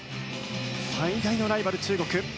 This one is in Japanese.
最大のライバル、中国。